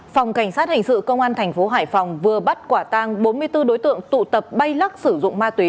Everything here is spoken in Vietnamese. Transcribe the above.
phòng cảnh sát hành sự công an tp hải phòng vừa bắt quả tang bốn mươi bốn đối tượng tụ tập bay lắc sử dụng ma túy